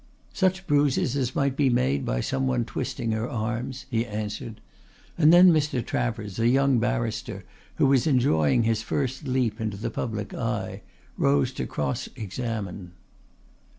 "Such bruises as might be made by some one twisting her arms," he answered, and then Mr. Travers, a young barrister who was enjoying his first leap into the public eye, rose to cross examine.